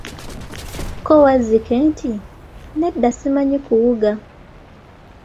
Ko Wazzike nti, nedda simanyi kuwuga.